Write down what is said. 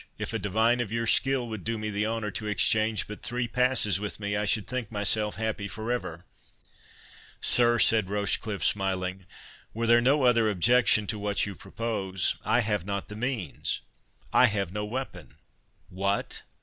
If a divine of your skill would do me the honour to exchange but three passes with me, I should think myself happy for ever." "Sir," said Rochecliffe, smiling, "were there no other objection to what you propose, I have not the means—I have no weapon." "What?